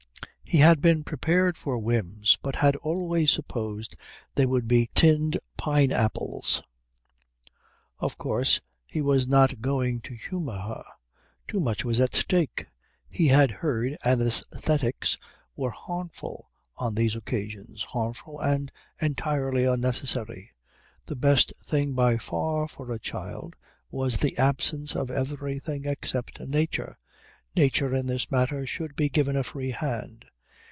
He had been prepared for whims, but had always supposed they would be tinned pine apples. Of course he was not going to humour her. Too much was at stake. He had heard anæsthetics were harmful on these occasions, harmful and entirely unnecessary. The best thing by far for the child was the absence of everything except nature. Nature in this matter should be given a free hand.